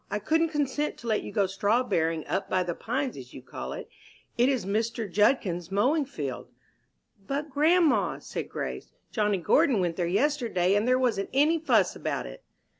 "I couldn't consent to let you go strawberrying 'up by the Pines' as you call it. It is Mr. Judkins's mowing field." "But, grandma," said Grace, "Johnny Gordon went there yesterday, and there wasn't any fuss about it."